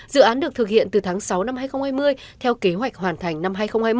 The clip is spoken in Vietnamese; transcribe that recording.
dự án được thực hiện từ tháng sáu năm hai nghìn hai mươi theo kế hoạch hoàn thành năm hai nghìn hai mươi